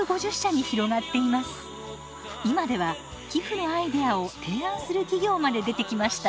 今では寄付のアイデアを提案する企業まで出てきました。